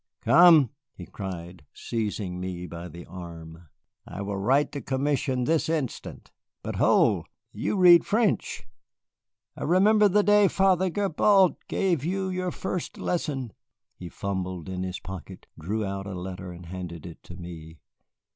Come," he cried, seizing me by the arm, "I will write the commission this instant. But hold! you read French, I remember the day Father Gibault gave you your first lesson." He fumbled in his pocket, drew out a letter, and handed it to me.